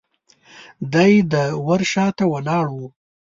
دی د ور شاته ولاړ و.